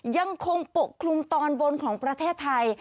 ยังคงปกคลุมตอนบนของประเทศไทย